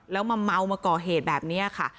แล้วมาเมามาก่อเหตุแบบนี้ค่ะ